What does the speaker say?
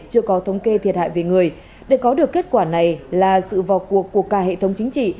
chưa có thống kê thiệt hại về người để có được kết quả này là sự vào cuộc của cả hệ thống chính trị